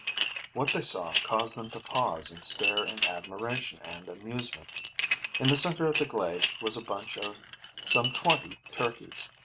What they saw caused them to pause and stare in admiration and amusement. In the center of the glade was a bunch of some twenty turkeys.